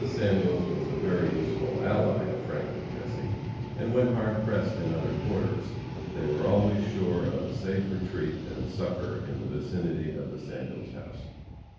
Samuels was a very useful ally of Frank and Jesse, and when hard pressed in other quarters, they were always sure of a safe retreat and succor in the vicinity of the Samuels house.